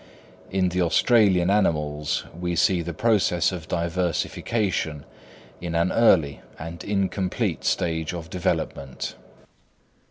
In the Australian mammals, we see the process of diversification in an early and incomplete stage of development.